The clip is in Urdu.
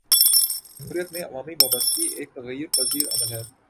جمہوریت میں عوامی وابستگی ایک تغیر پذیر عمل ہے۔